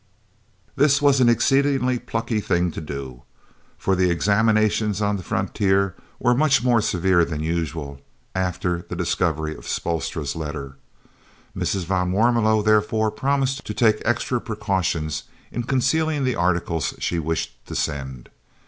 This was an exceedingly plucky thing to do, for the examinations on the frontier were much more severe than usual, after the discovery of Spoelstra's letter. Mrs. van Warmelo therefore promised to take extra precautions in concealing the articles she wished to send.